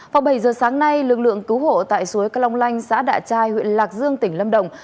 vào bảy giờ sáng nay lực lượng cứu hộ tại suối cá long lanh xã đạ trai huyện lạc dương tỉnh lâm đồng